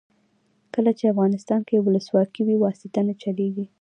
کله چې افغانستان کې ولسواکي وي واسطه نه چلیږي.